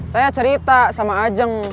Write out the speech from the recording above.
saya cerita sama ajeng